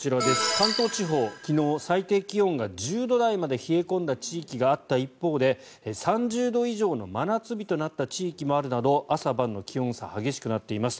関東地方、昨日最低気温が１０度台まで冷え込んだ地域があった一方で３０度以上の真夏日となった地域もあるなど朝晩の気温差が激しくなっています。